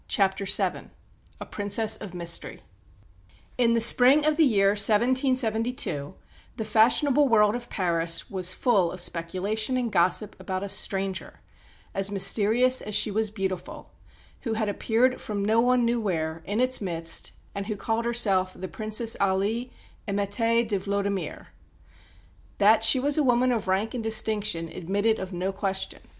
CHAPTER VII A PRINCESS OF MYSTERY In the spring of the year 1772 the fashionable world of Paris was full of speculation and gossip about a stranger, as mysterious as she was beautiful, who had appeared from no one knew where, in its midst, and who called herself the Princess Aly Émettée de Vlodimir. That she was a woman of rank and distinction admitted of no question.